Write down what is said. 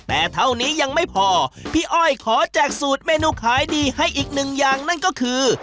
แต่เท่านี้ยังไม่พอพี่อ้อยขอแจกสูตรเมนูขายดีให้อีกหนึ่งอย่างนั่นก็คือ